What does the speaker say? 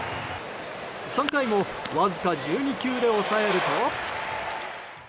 ３回もわずか１２球で抑えると。